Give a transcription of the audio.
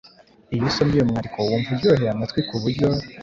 Iyo usomye uyu mwandiko wumva uryoheye amatwi ku buryo